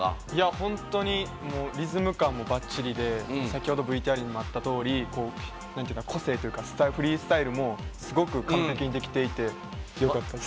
本当にリズム感もばっちりで先ほどＶＴＲにもあったとおり個性というか、フリースタイルもすごく完璧にできていてよかったです！